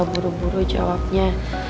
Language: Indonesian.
dia buru buru jawabnya